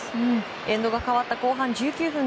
エンドが変わった後半１９分。